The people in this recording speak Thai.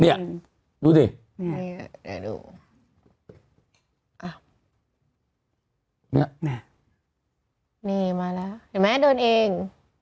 เนี่ยดูสิเนี่ยดูอ่ะเนี่ยเนี่ยมาแล้วเห็นไหมเดินเอง